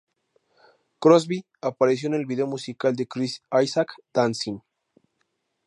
Crosby apareció en el vídeo musical de Chris Isaak, "Dancin'".